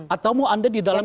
atau mau anda di dalam